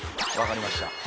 わかりました。